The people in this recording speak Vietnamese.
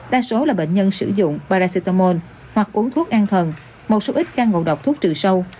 đa số là bệnh nhân sử dụng paracetamol hoặc uống thuốc an thần một số ít ca ngộ độc thuốc trừ sâu